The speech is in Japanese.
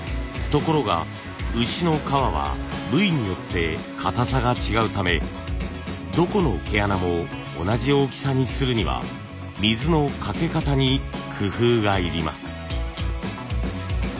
ところが牛の革は部位によってかたさが違うためどこの毛穴も同じ大きさにするには水のかけ方に工夫が要ります。